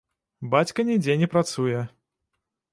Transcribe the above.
Бацька нідзе не працуе.